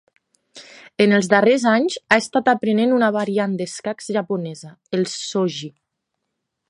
En els darrers anys, ha estat aprenent una variant d'escac japonesa, el shogi.